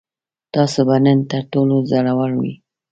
تاسو به نن تر ټولو زړور وئ.